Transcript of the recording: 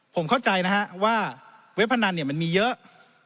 ผมเข้าใจว่าเว็บพนันมันมีเยอะ